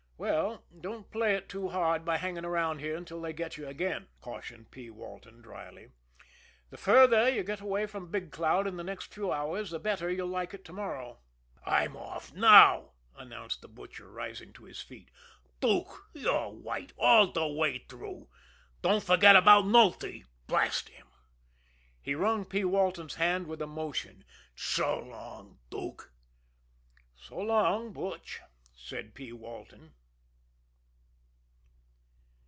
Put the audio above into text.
"Well, don't play it too hard by hanging around here until they get you again," cautioned P. Walton dryly. "The further you get away from Big Cloud in the next few hours, the better you'll like it to morrow." "I'm off now," announced the Butcher, rising to his feet. "Dook, you're white all de way through. Don't forget about Nulty, blast him!" He wrung P. Walton's hand with emotion. "So long, Dook!" "So long, Butch!" said P. Walton.